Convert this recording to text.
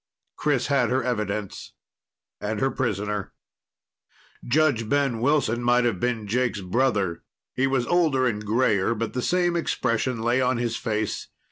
Chris had her evidence and her prisoner. Judge Ben Wilson might have been Jake's brother. He was older and grayer, but the same expression lay on his face.